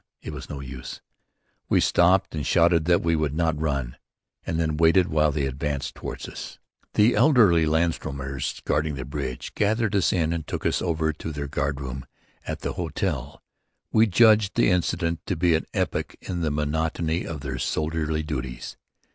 It was no use. We stopped and shouted that we would not run, and then waited while they advanced toward us. The elderly Landsturmers guarding the bridge gathered us in and took us over to their guardroom at the hotel. We judged the incident to be an epoch in the monotony of their soldierly duties.